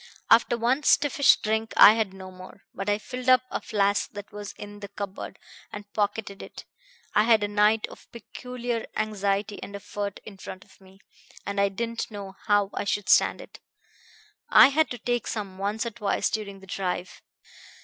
After one stiffish drink I had no more; but I filled up a flask that was in the cupboard, and pocketed it. I had a night of peculiar anxiety and effort in front of me, and I didn't know how I should stand it. I had to take some once or twice during the drive.